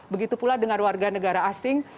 begitu pula dengan warga negara asing